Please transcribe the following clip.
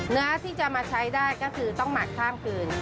เนื้อที่จะมาใช้ได้ก็คือต้องหมักข้ามคืน